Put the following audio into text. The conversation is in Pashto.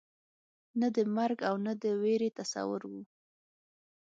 نه د مرګ او نه د وېرې تصور وو.